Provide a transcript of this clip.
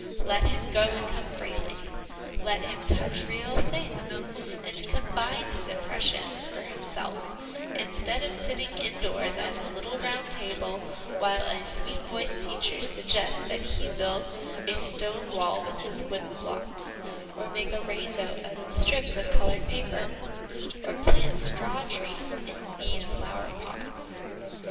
Let him go and come freely, let him touch real things, and combine his impressions for himself, instead of sitting indoors at a little round table, while a sweet voiced teacher suggests that he build a stone wall with his wooden blocks, or make a rainbow out of strips of coloured paper, or plant straw trees in bead flower pots.